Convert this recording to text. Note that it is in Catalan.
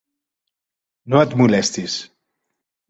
No et molestis.